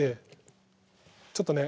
ちょっとね